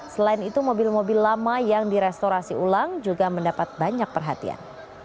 selain itu mobil mobil lama yang direstorasi ulang juga mendapat banyak perhatian